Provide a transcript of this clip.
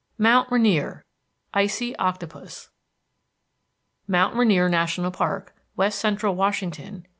VIII MOUNT RAINIER, ICY OCTOPUS MOUNT RAINIER NATIONAL PARK, WEST CENTRAL WASHINGTON.